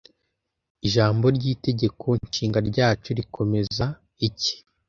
Ijambo ry'Itegeko Nshinga ryacu rikomeza iki